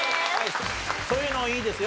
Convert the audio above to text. そういうのいいですよ。